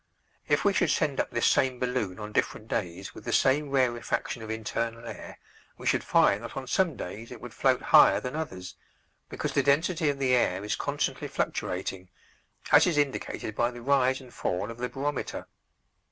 If we should send up this same balloon on different days with the same rarefaction of internal air we should find that on some days it would float higher than others, because the density of the air is constantly fluctuating, as is indicated by the rise and fall of the barometer.